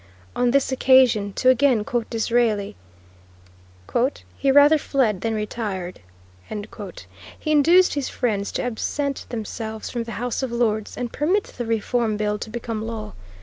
On this occasion, to again quote Disraeli, "He rather fled than retired." He induced his friends to absent themselves from the House of Lords and permit the Reform Bill to become law.